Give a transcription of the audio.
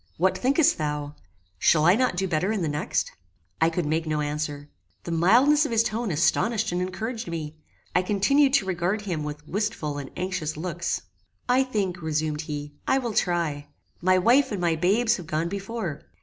What thinkest thou? Shall I not do better in the next?" I could make no answer. The mildness of his tone astonished and encouraged me. I continued to regard him with wistful and anxious looks. "I think," resumed he, "I will try. My wife and my babes have gone before.